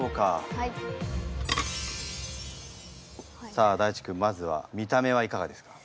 さあ大馳くんまずは見た目はいかがですか？